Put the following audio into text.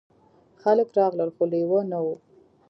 خلک راغلل خو لیوه نه و.